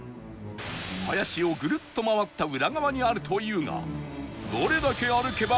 林をぐるっと回った裏側にあるというが